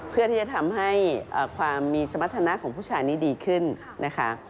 เพื่อที่จะทำให้ความมีสมรรถนะของผู้ชายนี้ดีขึ้นนะคะ